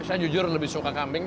saya jujur lebih suka kambing